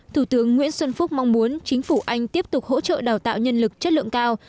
thủ tướng nguyễn xuân phúc mong muốn chính phủ anh tiếp tục hỗ trợ đào tạo nhân lực chất lượng cao